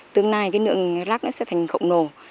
tương lai cái lượng rác nó sẽ thành khổng lồ